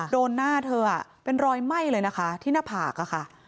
โดนหน้าเธอเป็นรอยไหม้เลยนะคะที่หน้าผากอะค่ะ